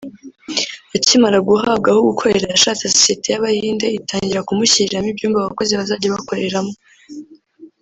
Akimara guhabwa aho gukorera yashatse Sosiyete y’Abahinde itangira kumushyiriramo ibyumba abakozi bazajya bakoreramo